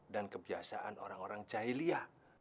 dan kebiasaan orang orang jahiliah